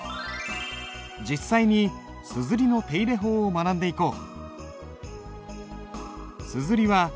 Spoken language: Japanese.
実際に硯の手入れ法を学んでいこう。